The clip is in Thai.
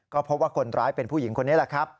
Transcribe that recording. ก็พบว่าคนร้ายเป็นผู้หญิงคนนี้แหละครับ